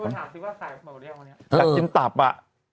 และกินตับอ่ะ